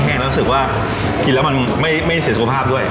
แล้วรู้สึกว่ากินแล้วมันไม่เสียสุขภาพด้วย